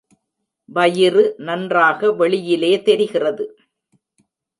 வயிறு நன்றாக வெளியிலே தெரிகிறது.